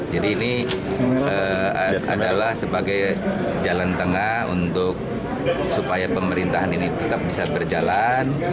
jadi ini adalah sebagai jalan tengah untuk supaya pemerintahan ini tetap bisa berjalan